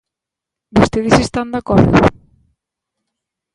¿Vostedes están de acordo?